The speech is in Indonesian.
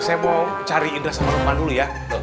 saya mau cari indra sama rumah dulu ya